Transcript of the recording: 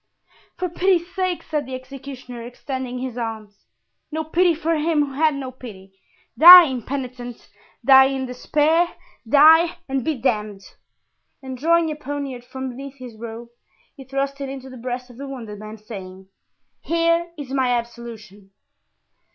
"For pity's sake," said the executioner, extending his arms. "No pity for him who had no pity! Die, impenitent, die in despair, die and be damned!" And drawing a poniard from beneath his robe he thrust it into the breast of the wounded man, saying, "Here is my absolution!"